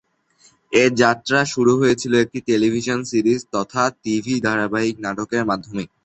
এর যাত্রা শুরু হয়েছিল একটি টেলিভিশন সিরিজ তথা টিভি ধারাবাহিক নাটকের মাধ্যমে।